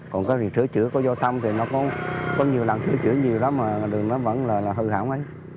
còn có điều sửa chữa có vô thăm thì nó có nhiều lần sửa chữa nhiều lắm mà đường đó vẫn là hư hảo mấy